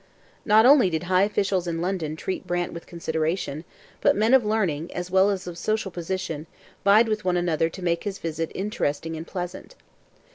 Not only did high officials in London treat Brant with consideration, but men of learning, as well as of social position, vied with one another to make his visit interesting and pleasant.